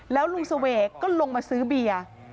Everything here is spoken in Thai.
แล้วลุงเสวกก็ลงมาซื้อเบียร์